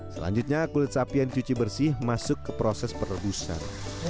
selanjutnya kulit sapi yang dicuci bersih masuk ke proses perebusan